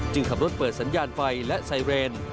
ขับรถเปิดสัญญาณไฟและไซเรน